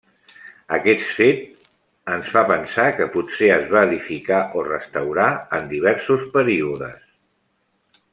Aquest fet ens fa pensar que potser es va edificar o restaurat en diversos períodes.